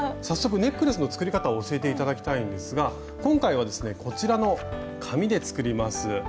早速ネックレスの作り方を教えて頂きたいんですが今回はですねこちらの紙で作ります。